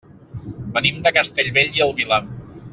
Venim de Castellbell i el Vilar.